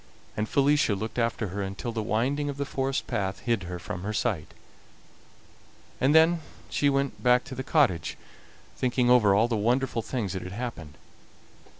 And Felicia looked after her until the winding of the forest path hid her from her sight, and then she went back to the cottage, thinking over all the wonderful things that had happened.